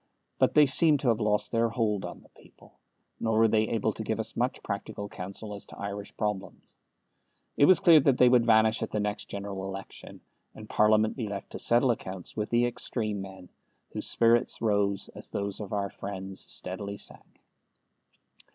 But they seemed to have lost their hold on the people, nor were they able to give us much practical counsel as to Irish problems. It was clear that they would vanish at the next General Election, and Parliament be left to settle accounts with the extreme men, whose spirits rose as those of our friends steadily sank.